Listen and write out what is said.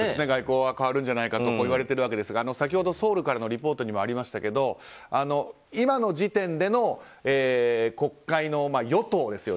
外交は変わるんじゃないかといわれていますが先ほどソウルからのリポートにもありましたけど今の時点での国会の与党